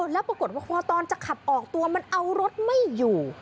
แล้วปรากฏว่าพอตอนจะขับออกตัวมันเอารถไม่อยู่